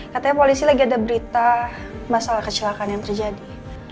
katanya polisi lagi ada berita masalah kecelakaan yang terjadi